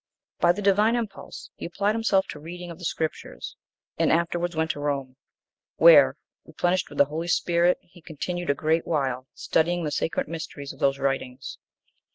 By the divine impulse, he applied himself to reading of the Scriptures, and afterwards went to Rome; where, replenished with the Holy Spirit, he continued a great while, studying the sacred mysteries of those writings.